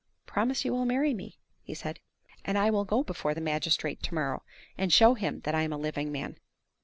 "Promise you will marry me," he said, "and I will go before the magistrate to morrow, and show him that I am a living man."